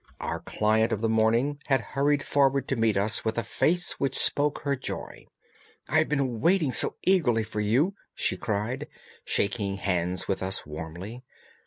Our client of the morning had hurried forward to meet us with a face which spoke her joy. "I have been waiting so eagerly for you," she cried, shaking hands with us warmly.